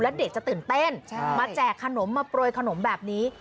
แล้วเด็กจะตื่นเต้นมาแจกขนมมาโปรยขนมแบบนี้